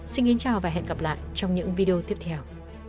xin kính chào và hẹn gặp lại trong những video tiếp theo